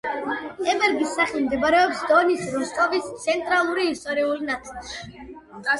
ებერგის სახლი მდებარებს დონის როსტოვის ცენტრალურ ისტორიულ ნაწილში.